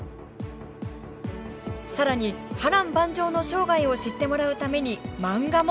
更に波乱万丈の生涯を知ってもらうために漫画も！